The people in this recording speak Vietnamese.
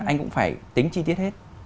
anh cũng phải tính chi tiết hết